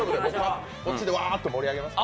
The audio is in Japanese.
こっちでわーっと盛り上げますから。